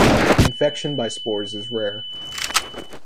Infection by spores is rare.